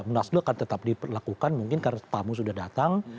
munaslup akan tetap dilakukan mungkin karena tamu sudah datang